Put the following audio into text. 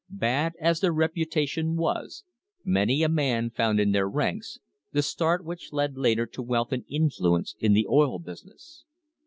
Bad as their reputation was, many a man found in their ranks the start which led later to wealth and influence in the oil business.